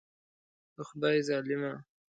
د خدای ظالمه.